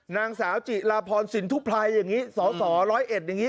นางสาวจิลาพรสินทุไพรอย่างนี้สสร้อยเอ็ดอย่างนี้